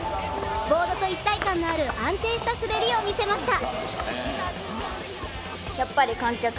ボードと一体感のある安定した滑りを見せました。